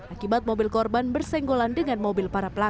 akibat mobil korban bersenggolan dengan mobil para pelaku